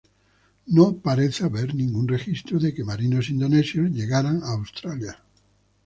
No parece haber ningún registro de que marinos indonesios llegaran a Australia.